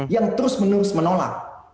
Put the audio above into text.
yang terus menolak